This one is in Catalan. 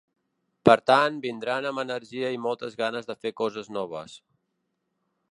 Per tant, vindran amb energia i moltes ganes de fer coses noves.